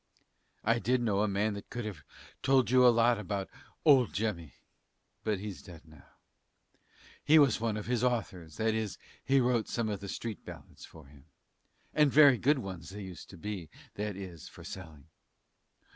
I did know a man as could have told you a lot about 'old Jemmy,' but he's dead now; he was one of his authors, that is, he wrote some of the street ballads for him, and very good ones they used to be, that is, for selling.